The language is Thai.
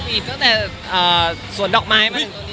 พันนี้คือตรงนี้ต้องแต่สวนดอกไม้